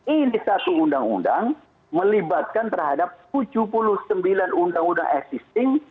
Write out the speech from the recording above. ini satu undang undang melibatkan terhadap tujuh puluh sembilan undang undang existing